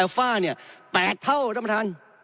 แอลฟ่า๘เท่าท่านประธาน